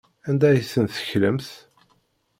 Anda ay ten-teklamt?